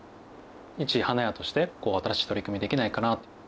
いち花屋として新しい取り組みできないかなと。